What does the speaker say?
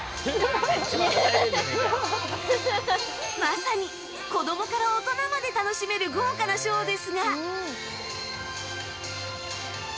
まさに子供から大人まで楽しめる豪華なショーですが。